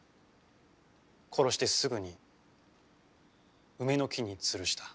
殺してすぐに梅の木につるした。